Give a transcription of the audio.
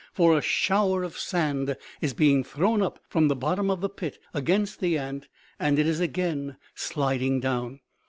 For a shower of sand is being thrown up from the bottom of the pit against the ant and it is again sliding down.